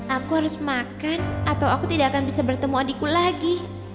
aku harus makan atau aku tidak akan bisa bertemu adikku lagi